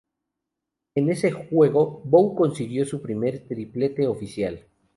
En ese juego, Bou consiguió su primer triplete oficial.